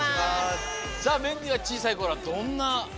さあメンディーはちいさいころはどんなおこさんでしたか？